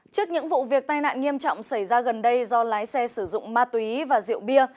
trước những vụ việc tai nạn nghiêm trọng xảy ra gần đây do lái xe sử dụng ma túy và rượu bia